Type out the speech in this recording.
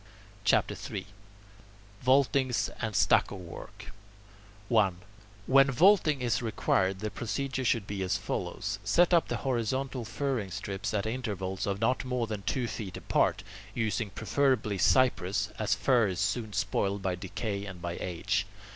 CHAPTER III VAULTINGS AND STUCCO WORK 1. When vaulting is required, the procedure should be as follows. Set up horizontal furring strips at intervals of not more than two feet apart, using preferably cypress, as fir is soon spoiled by decay and by age.